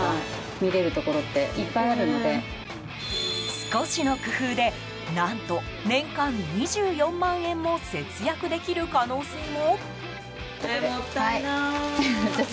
少しの工夫で何と、年間２４万円も節約できる可能性も？